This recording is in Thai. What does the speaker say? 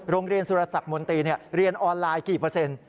โรงเรียนสุรสักมนตรีเรียนออนไลน์กี่เปอร์เซ็นต์